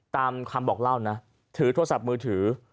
ตามคำบอกเล่านะถือโทรศัพท์มือถือ